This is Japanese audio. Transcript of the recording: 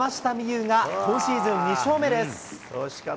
有が今シーズン２勝目です。